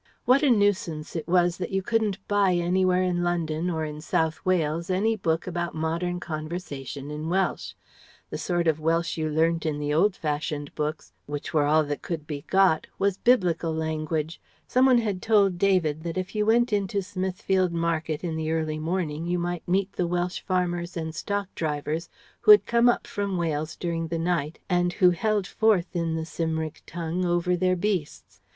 What a nuisance it was that you couldn't buy anywhere in London or in South Wales any book about modern conversation in Welsh. The sort of Welsh you learnt in the old fashioned books, which were all that could be got, was Biblical language Some one had told David that if you went into Smithfield Market in the early morning you might meet the Welsh farmers and stock drivers who had come up from Wales during the night and who held forth in the Cymric tongue over their beasts.